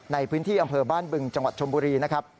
ในพื้นที่อำเภอบ้านบึงจังหวัดชมบุรีนะครับ